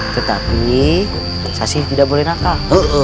tetapi saksi tidak boleh nakal